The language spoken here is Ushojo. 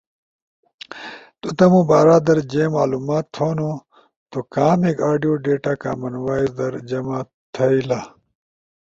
تو تمو بارا در جے معلومات تھونو، تو کامیک آڈیو ڈیتا کامن وائس در جمع تھئیلا،